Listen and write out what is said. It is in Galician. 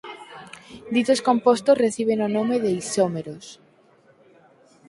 Ditos compostos reciben o nome de isómeros.